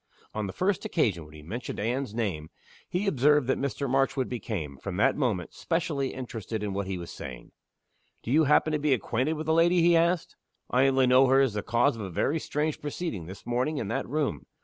On the first occasion when he mentioned Anne's name he observed that Mr. Marchwood became, from that moment, specially interested in what he was saying. "Do you happen to be acquainted with the lady?" he asked "I only know her as the cause of a very strange proceeding, this morning, in that room."